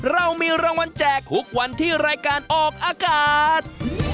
เรามีรางวัลแจกทุกวันที่รายการออกอากาศ